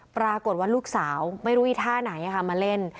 ปรากฏว่าลูกสาวไม่รู้อีท่าไหนมาเล่น